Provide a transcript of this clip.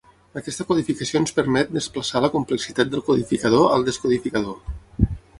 Aquesta codificació ens permet desplaçar la complexitat del codificador al descodificador.